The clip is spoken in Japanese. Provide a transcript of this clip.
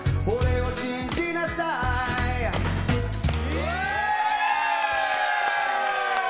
イエーイ！